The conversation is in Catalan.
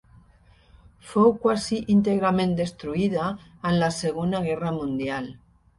Fou quasi íntegrament destruïda en la Segona Guerra Mundial.